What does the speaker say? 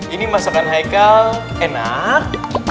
ini masakan haikal enak